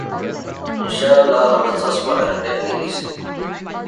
These had bodies made of composite materials and used mechanical components made by Renault.